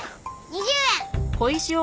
２０円！